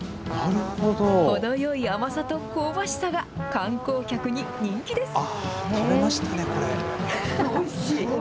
程よい甘さと香ばしさが観光客に人気です。